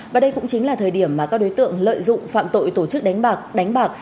và đây cũng chính là thời điểm mà các đối tượng lợi dụng phạm tội tổ chức đánh bạc